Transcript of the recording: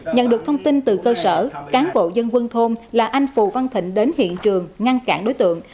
nhận được thông tin từ cơ sở cán bộ dân quân thôn là anh phù văn thịnh đến hiện trường ngăn cản đối tượng